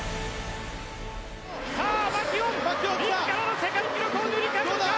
マキュオン自らの世界記録を塗り替えるか。